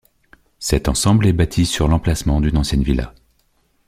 Cet ensemble est bâti sur l'emplacement d'une ancienne villa.